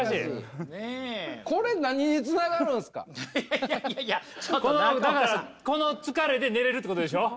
このだからこの疲れで寝れるってことでしょ？